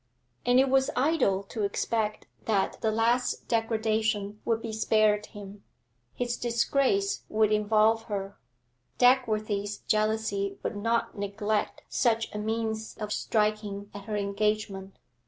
And it was idle to expect that the last degradation would be spared him; his disgrace would involve her; Dagworthy's jealousy would not neglect such a means of striking at her engagement.